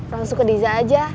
langsung ke diza aja